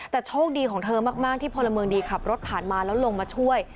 แต่โชคดีของเธอมากที่พลเมืองดีขับรถผ่านมาแล้วลงมาช่วย